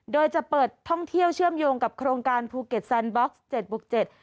โดยจะเปิดท่องเที่ยวเชื่อมโยงกับโครงการภูเก็ตแซนบ็อกซ์เจ็ดบุกเจ็ด